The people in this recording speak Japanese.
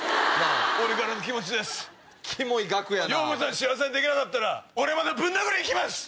幸せにできなかったら俺またぶん殴りに来ます！